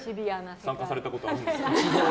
参加されたことあるんですか？